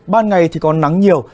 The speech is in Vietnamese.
ban ngày thì còn nắng nhiều